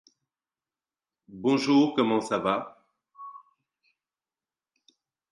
The B-side to the track was another "Camille" track, "Shockadelica".